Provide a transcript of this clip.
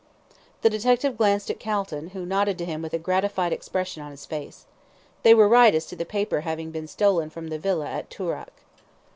The detective glanced at Calton, who nodded to him with a gratified expression on his face. They were right as to the paper having been stolen from the Villa at Toorak.